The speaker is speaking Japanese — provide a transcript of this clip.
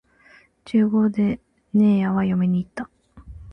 十五でねえやは嫁に行った